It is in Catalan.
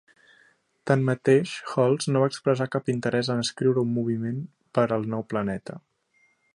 Tanmateix, Holst no va expressar cap interès en escriure un moviment per al nou planeta.